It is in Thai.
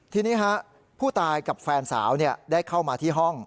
ทีนี้ผู้ตายกับแฟนสาวได้เข้ามาที่ห้อง